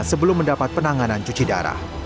sebelum mendapat penanganan cuci darah